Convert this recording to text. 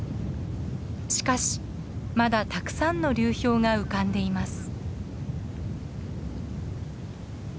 しかしまだたくさんの流氷が浮かんでいます。